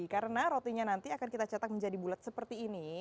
karena rotinya nanti akan kita cetak menjadi bulat seperti ini